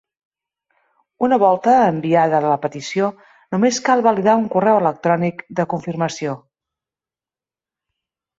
Una volta enviada la petició, només cal validar un correu electrònic de confirmació.